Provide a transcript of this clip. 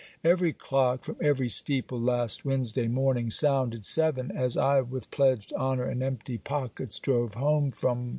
Every clock from every steeple last Wednesday morning sounded seven as I with pledged honour and empty pockets drove home from